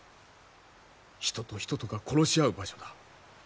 人と人とが殺し合う場所だ。